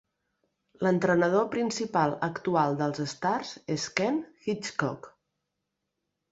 L"entrenador principal actual dels Stars és Ken Hitchcock.